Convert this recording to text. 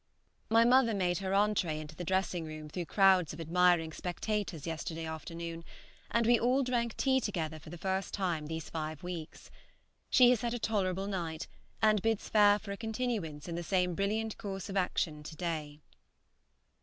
My mother made her entrée into the dressing room through crowds of admiring spectators yesterday afternoon, and we all drank tea together for the first time these five weeks. She has had a tolerable night, and bids fair for a continuance in the same brilliant course of action to day.